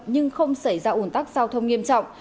nhưng không xảy ra ủn tắc giao thông nghiêm trọng